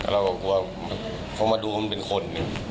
แลาวก็กลัวเขามาดูมันเป็นคน